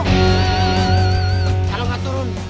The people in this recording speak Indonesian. kalau gak turun